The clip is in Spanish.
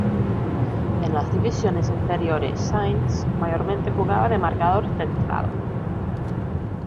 En las divisiones inferiores Sainz mayormente jugaba de marcador central.